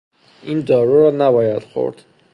این دارو را نباید خورد.